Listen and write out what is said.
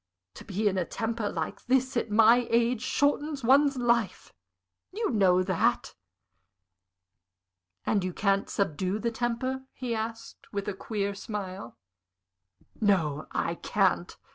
To be in a temper like this, at my age, shortens one's life you know that." "And you can't subdue the temper?" he asked, with a queer smile. "No, I can't!